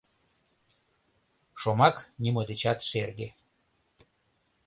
— Шомак нимо дечат шерге.